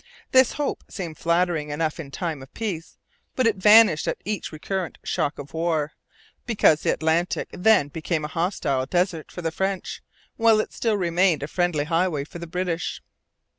This hope seemed flattering enough in time of peace; but it vanished at each recurrent shock of war, because the Atlantic then became a hostile desert for the French, while it still remained a friendly highway for the British.